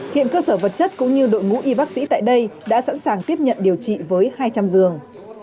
hiện cơ sở vật chất cũng như đội ngũ y bác sĩ tại đây đã sẵn sàng tiếp nhận điều trị với hai trăm linh giường